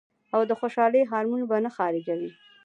او د خوشالۍ هارمون به نۀ خارجوي -